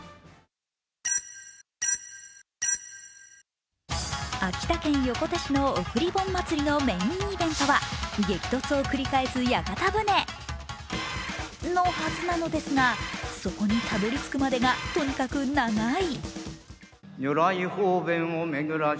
続いては、秋田県横手市長の送り盆まつりは、激突を繰り返す屋形船のはずなのですが、そこにたどり着くまでがとにかく長い。